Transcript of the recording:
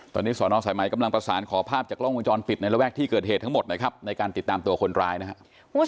ตอนนี้สอนอสายไหมกำลังประสานขอภาพจากกล้องวงจรปิดในระแวกที่เกิดเหตุทั้งหมดนะครับในการติดตามตัวคนร้ายนะครับ